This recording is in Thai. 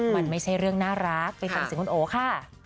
มันไม่ใช่เรื่องน่ารักไปฟังเสียงคุณโอค่ะ